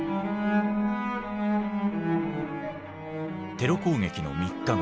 テロ攻撃の３日後。